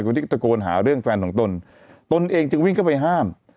คนที่ตะโกนหาเรื่องแฟนของตนตนเองจึงวิ่งเข้าไปห้าม